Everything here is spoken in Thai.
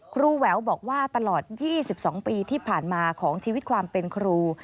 แหววบอกว่าตลอด๒๒ปีที่ผ่านมาของชีวิตความเป็นครู